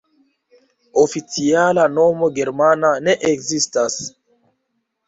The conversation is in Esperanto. Oficiala nomo germana ne ekzistas.